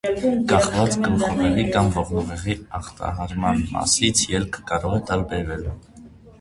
Կախված գլխուղեղի կամ ողնուղեղի ախտահարման մասից, ելքը կարող է տարբերվել։